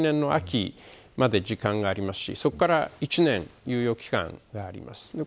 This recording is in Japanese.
来年の秋まで時間がありますしそこから１年猶予期間があります。